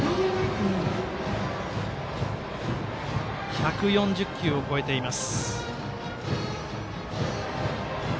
１４０球を超えています。